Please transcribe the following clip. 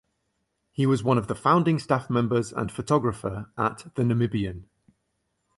He was one of the founding staff members and photographer at The Namibian.